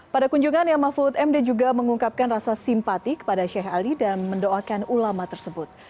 pada kunjungannya mahfud md juga mengungkapkan rasa simpati kepada sheikh ali dan mendoakan ulama tersebut